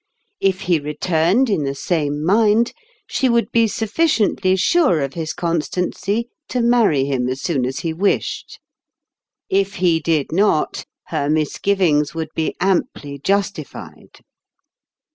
If he returned in the same mind, she would be sufficiently sure of his constancy to marry him as soon as lie wished : if he did not, her misgivings would be amply justified.